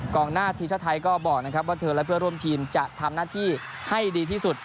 กองหน้าธีรษะไทยก็บอกนะครับว่าเธอและเพื่อร่วมทีมจะทำนาธิให้ดีที่สุด